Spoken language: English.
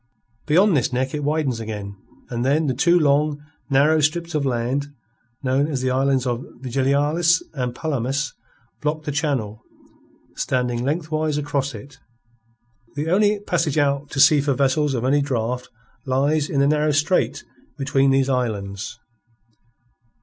Beyond this neck it widens again, and then the two long, narrow strips of land known as the islands of Vigilias and Palomas block the channel, standing lengthwise across it. The only passage out to sea for vessels of any draught lies in the narrow strait between these islands.